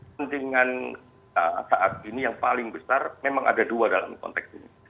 pentingan saat ini yang paling besar memang ada dua dalam konteks ini